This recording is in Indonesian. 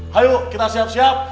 hayu kita siap siap